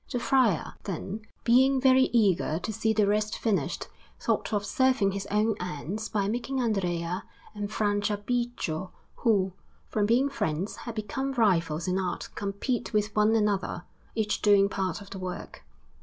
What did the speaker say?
The friar, then, being very eager to see the rest finished, thought of serving his own ends by making Andrea and Franciabigio, who, from being friends, had become rivals in art, compete with one another, each doing part of the work.